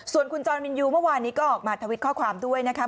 ส่วนคุณจรมินยูเมื่อวานนี้ก็ออกมาทวิตข้อความด้วยนะคะ